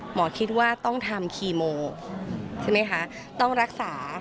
คิดว่าต้องทำคีโมใช่ไหมคะต้องรักษา